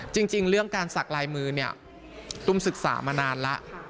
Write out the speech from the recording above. จริงเรื่องการสักลายมือเนี่ยตุ้มศึกษามานานแล้ว